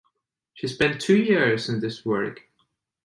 She spent two years in this work.